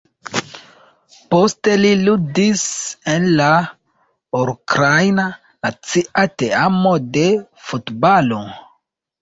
Poste li ludis en la Ukraina nacia teamo de futbalo.